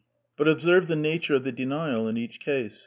But observe the nature of the denial in each case.